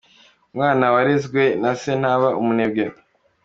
Izindi inshuro ebyiri byabaye muri Ukraine n’Azerbaijan.